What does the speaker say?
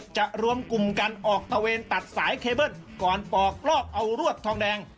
รวมกลุ่มกันออกตะเวนตัดสายเคเบิ้ลก่อนปอกลอกเอารวกทองแดง